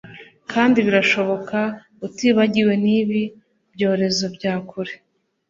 Kandi birashoboka utibagiwe nibi byorezo bya kure